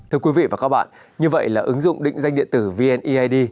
thưa quý vị và các bạn như vậy là ứng dụng định danh điện tử vni id